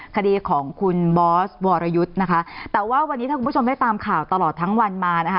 คดีของคุณบอสวรยุทธ์นะคะแต่ว่าวันนี้ถ้าคุณผู้ชมได้ตามข่าวตลอดทั้งวันมานะคะ